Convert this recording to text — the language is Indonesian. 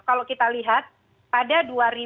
kalau kita lihat pada